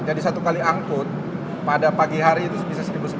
satu kali angkut pada pagi hari itu bisa satu sembilan ratus